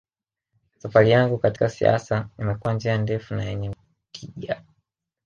Safari yangu katika siasa imekuwa njia ndefu na yenye tija